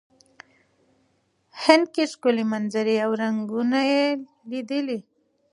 هند کې ښکلې منظرې او رنګونه یې لیدلي.